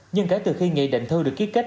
nhưng kể từ khi nghị định thư được ký kết